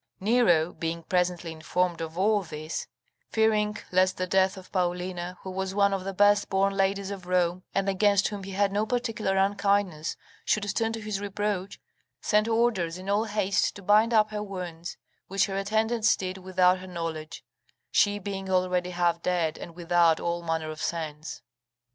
Nero, being presently informed of all this, fearing lest the death of Paulina, who was one of the best born ladies of Rome, and against whom he had no particular unkindness, should turn to his reproach, sent orders in all haste to bind up her wounds, which her attendants did without her knowledge, she being already half dead, and without all manner of sense.